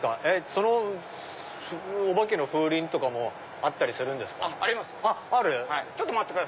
そのお化けの風鈴とかもあったりするんですか？